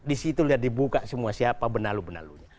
di situ lihat dibuka semua siapa benalu benalunya